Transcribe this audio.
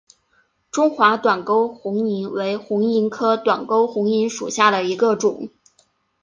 中华短沟红萤为红萤科短沟红萤属下的一个种。